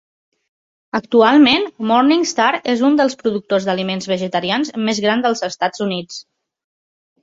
Actualment, Morningstar és un dels productors d'aliments vegetarians més gran dels Estats Units.